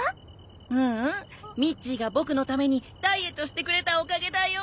ううんミッチーがボクのためにダイエットしてくれたおかげだよ。